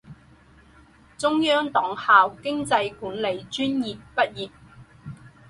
中央党校经济管理专业毕业。